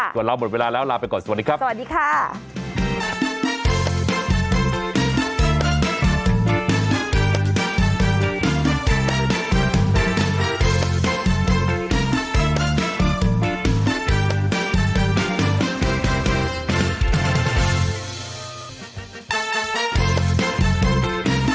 ก่อนเราหมดเวลาแล้วลาไปก่อนสวัสดีครับ